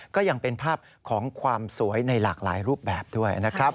ก็ยังเป็นภาพของความสวยในหลากหลายรูปแบบด้วยนะครับ